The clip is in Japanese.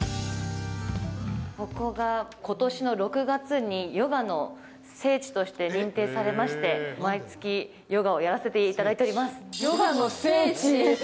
ここがことしの６月にヨガの聖地として認定されまして、毎月ヨガをやらせていただいておヨガの聖地？